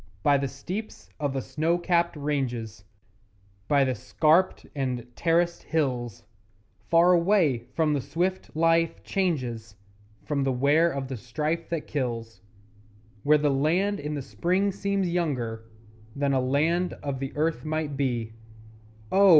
By the steeps of the snow capped ranges, By the scarped and terraced hills Far away from the swift life changes, From the wear of the strife that kills Where the land in the Spring seems younger Than a land of the Earth might be Oh!